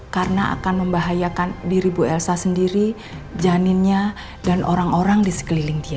karena akan membahayakan diri bu elsa sendiri janinnya dan orang orang di sekeliling dia